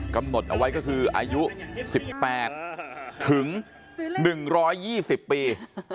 กำหนดเอาไว้ก็คืออายุ๑๘ถึง๑๒๐ปี